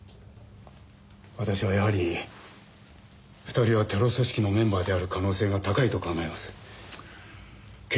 私はやはり２人はテロ組織のメンバーである可能性が高いと考えます。